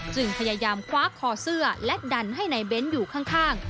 จึงพยายามคว้าคอเสื้อและดันให้นายเบ้นอยู่ข้าง